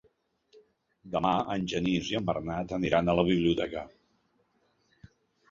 Demà en Genís i en Bernat aniran a la biblioteca.